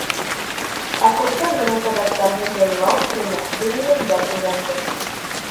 Ә күркәм мөнәсәбәттәрҙе яйлау серенә бейемемдән өйрәндем.